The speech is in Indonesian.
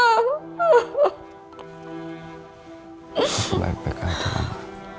aku baik baik aja mama